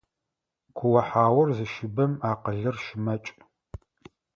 Куо-хьаур зыщыбэм акъылыр щымакӏ.